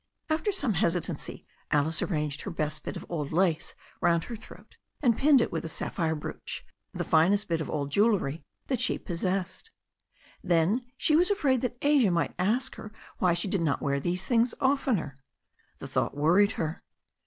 After some hesitancy Alice arranged her best bit of old lace round her throat, and pinned it with a sapphire brooch, the finest bit of old jewellery that she possessed. Then she was afraid that Asia might ask her why she did not wear these things oftener. The thought worried her.